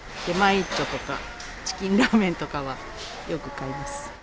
出前一丁とか、チキンラーメンとかはよく買います。